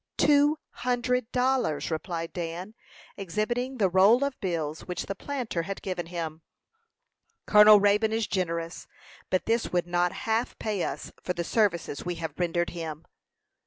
"Two hundred dollars," replied Dan, exhibiting the roll of bills which the planter had given him. "Colonel Raybone is generous, but this would not half pay us for the services we have rendered him."